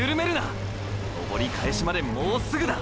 登り返しまでもうすぐだ！！